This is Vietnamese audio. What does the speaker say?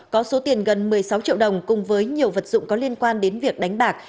có số tiền gần một mươi sáu triệu đồng cùng với nhiều vật dụng có liên quan đến việc đánh bạc